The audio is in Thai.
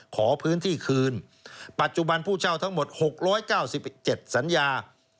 ขอพื้นที่คืนปัจจุบันผู้เช่าทั้งหมด๖๙๗สัญญา